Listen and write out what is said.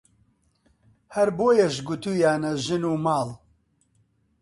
هەر بۆیەش گوتوویانە ژن و ماڵ